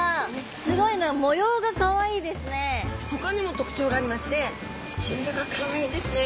すごいほかにも特徴がありまして唇がかわいいんですね。